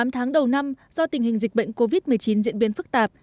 tám tháng đầu năm do tình hình dịch bệnh covid một mươi chín diễn biến phức tạp